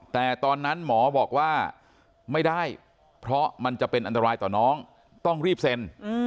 แต่ตอนนั้นหมอบอกว่าไม่ได้เพราะมันจะเป็นอันตรายต่อน้องต้องรีบเซ็น